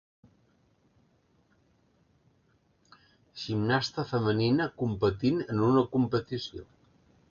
Gimnasta femenina competint en una competició.